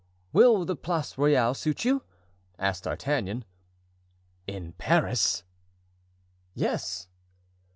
"Will the Place Royale suit you?" asked D'Artagnan. "In Paris?" "Yes."